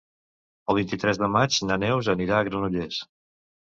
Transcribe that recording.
El vint-i-tres de maig na Neus anirà a Granollers.